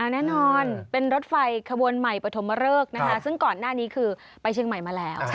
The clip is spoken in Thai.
แน่นอนเป็นรถไฟขบวนใหม่ปฐมเริกนะคะซึ่งก่อนหน้านี้คือไปเชียงใหม่มาแล้ว